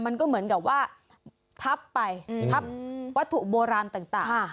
มันก็เหมือนกับว่าทับไปทับวัตถุโบราณต่าง